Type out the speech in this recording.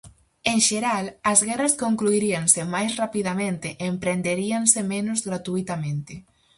En xeral, as guerras concluiríanse máis rapidamente e emprenderíanse menos gratuitamente.